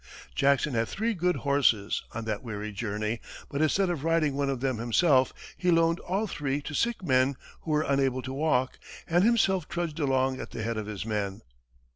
Jackson had three good horses, on that weary journey, but instead of riding one of them himself, he loaned all three to sick men who were unable to walk, and himself trudged along at the head of his men.